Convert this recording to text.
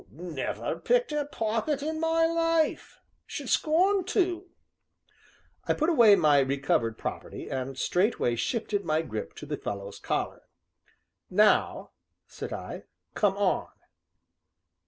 "Never picked a pocket in my life should scorn to." I put away my recovered property, and straightway shifted my grip to the fellow's collar. "Now," said I, "come on."